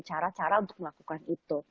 cara cara untuk melakukan itu